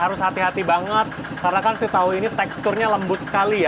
harus hati hati banget karena kan si tahu ini teksturnya lembut sekali ya